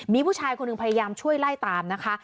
มีผู้ชายคนหนึ่งพยายามช่วยไล่ตามนะคะ